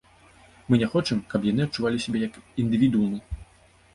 Мы не хочам, каб яны адчувалі сябе як індывідуумы.